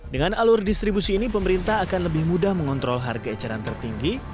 dengan alur distribusi ini pemerintah akan lebih mudah mengontrol harga eceran tertinggi